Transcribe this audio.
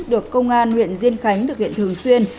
được công an huyện diên khánh thực hiện thường xuyên